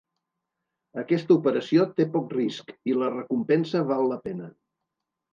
Aquesta operació té poc risc, i la recompensa val la pena.